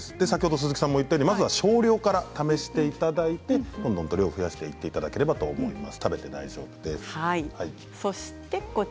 鈴木さんも言ったようにまずは少量から試していただいてどんどん量を増やしていただければと思います。